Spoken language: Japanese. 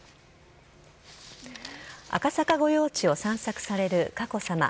赤坂御用地を散策される佳子さま。